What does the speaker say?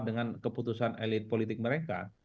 dengan keputusan elit politik mereka